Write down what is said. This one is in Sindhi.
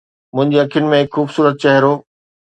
منهنجي اکين ۾ هڪ خوبصورت چهرو